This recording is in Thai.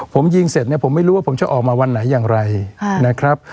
ผมยิงเสร็จเนี่ยผมไม่รู้ว่าผมจะออกมาวันไหนอย่างไรนะครับ